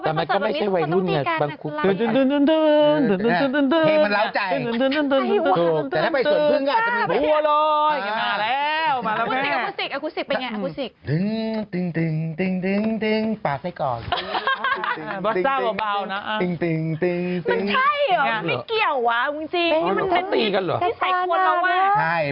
มันใช่หรอไม่เกี่ยวจริงภาษาอีกใช้ควรเรามาบ้าง